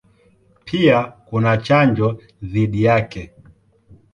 Pia kuna chanjo dhidi yake.